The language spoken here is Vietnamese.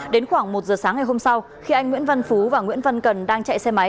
đến khoảng một giờ sáng ngày hôm sau khi anh nguyễn văn phú và nguyễn văn cần đang chạy xe máy